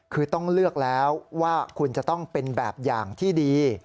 คือต้องเลือกแล้วว่าคุณจะต้องเป็นแบบอย่างที่ดี